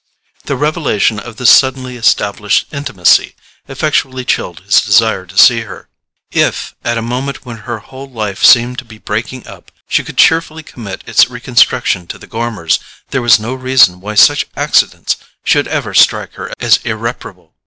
The revelation of this suddenly established intimacy effectually chilled his desire to see her. If, at a moment when her whole life seemed to be breaking up, she could cheerfully commit its reconstruction to the Gormers, there was no reason why such accidents should ever strike her as irreparable.